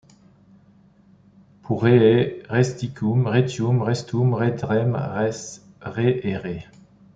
Pour Réez : Resticum, Retium, Restum, Redrem, Rez, Ré, Rée.